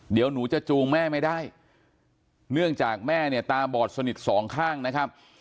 เดี๋ยวหนูจะจูงแม่ไม่ได้เนื่องจากแม่เนี่ยตาบอดสนิทสองข้างนะครับ